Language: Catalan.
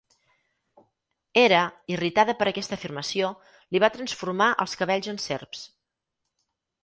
Hera, irritada per aquesta afirmació, li va transformar els cabells en serps.